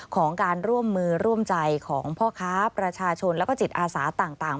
ของการร่วมมือร่วมใจของพ่อค้าประชาชนแล้วก็จิตอาสาต่าง